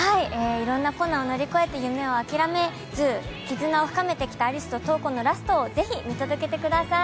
いろんな困難を乗り越えて夢を諦めず、絆を深めてきた有栖と瞳子の最後をぜひ見届けてください。